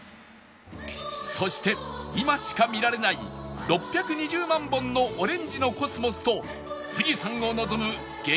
そして今しか見られない６２０万本のオレンジのコスモスと富士山を望む激